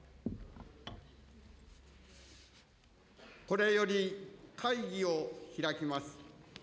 これより会議を開きます。